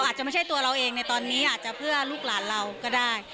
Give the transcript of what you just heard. อาจจะไม่ใช่ตัวเราเองในตอนนี้อาจจะเพื่อลูกหลานเราก็ได้